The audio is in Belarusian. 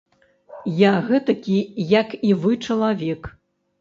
Я гэтакі, як і вы, чалавек.